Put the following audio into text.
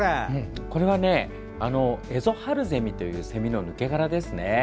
これはエゾハルゼミというセミの抜け殻ですね。